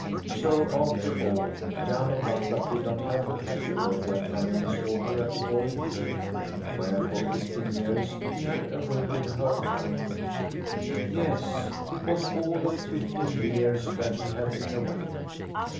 So after all Jan of Ruffluck did not have the pleasure of welcoming his daughter at the Borg pier, where for fifteen years he had awaited her coming. Yes, it was all of fifteen years that she had been away.